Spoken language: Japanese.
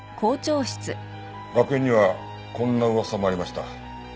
学園にはこんな噂もありました。